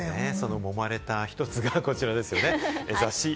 そのもまれた一つがこちらですね。